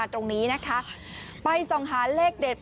ไปส่องหาเลขเด็ดปลายประทัศน์ที่ติดอยู่ที่บริเวณเสาไฟฟ้า